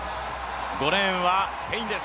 ５レーンはスペインです。